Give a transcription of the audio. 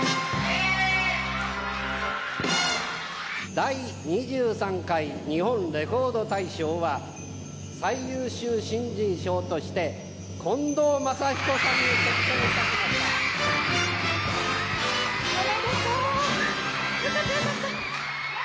第２３回日本レコード大賞は最優秀新人賞として近藤真彦さんに決定いたしました。